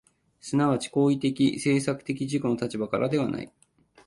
即ち行為的・制作的自己の立場からではない。